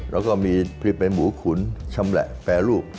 แล้วก็มีผลิตเป็นหมูขุนชำแหละแปรรูป